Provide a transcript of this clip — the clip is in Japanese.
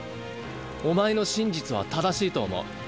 お前の真実は正しいと思う。